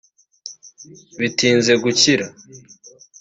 batinze gukira